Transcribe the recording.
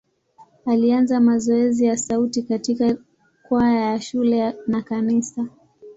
Alianza mazoezi ya sauti katika kwaya ya shule na kanisa.